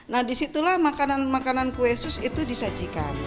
nah disitulah makanan makanan kue sus itu disajikan